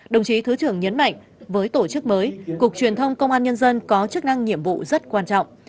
đồng chí thứ trưởng nhấn mạnh với tổ chức mới cục truyền thông công an nhân dân có chức năng nhiệm vụ rất quan trọng